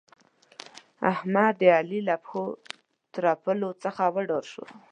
احمد؛ د علي له پښو ترپولو څخه وډار شو.